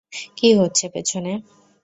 কী হচ্ছে পেছনে?